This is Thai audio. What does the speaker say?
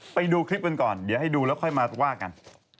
ไปดูคลิปกันก่อนเดี๋ยวให้ดูแล้วค่อยมาว่ากัน